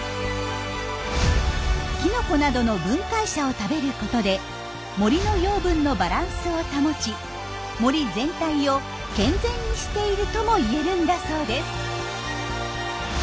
キノコなどの分解者を食べることで森の養分のバランスを保ち森全体を健全にしているとも言えるんだそうです。